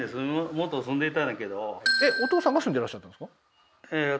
えっお父さんが住んでらっしゃったんですか？